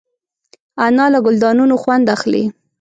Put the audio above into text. انا له ګلدانونو خوند اخلي